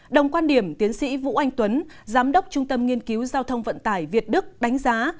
đồng quan điểm tiến sĩ vũ anh tuấn giám đốc trung tâm nghiên cứu giao thông vận tải việt đức đánh giá